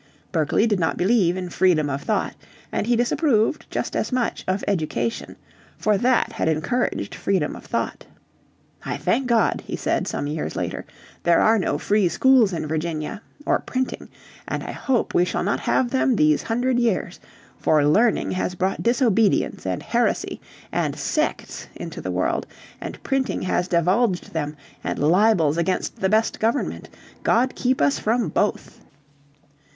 Berkeley did not believe in freedom of thought, and he disapproved just as much of education, for that had encouraged freedom of thought. "I thank God," he said some years later, "there are no free schools in Virginia or printing, and I hope we shall not have them these hundred years. For learning has brought disobedience and heresy, and sects into the world, and printing has divulged them, and libels against the best government. God keep us from both."